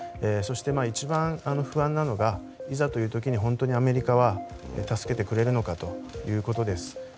そして一番不安なのがいざという時に本当にアメリカは助けてくれるのかということです。